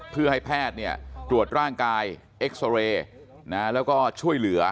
เพื่อให้แพทย์ตรวจร่างกายเอ็กซอเรย์แล้วก็ช่วยเหลือ